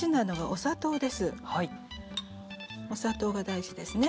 お砂糖が大事ですね。